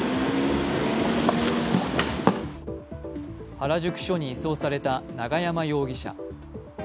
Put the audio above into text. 原宿署に移送された永山容疑者。